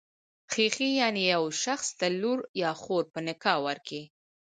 خېښي، يعنی چي يو شخص ته لور يا خور په نکاح ورکي.